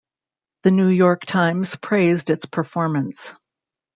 The New York Times praised its performance.